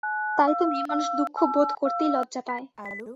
তাই তো মেয়েমানুষ দুঃখ বোধ করতেই লজ্জা পায়।